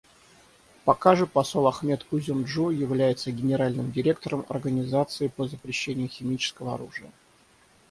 Пока же посол Ахмет Узюмджю является Генеральным директором Организации по запрещению химического оружия.